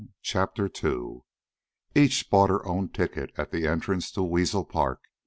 CHAPTER II Each bought her own ticket at the entrance to Weasel Park.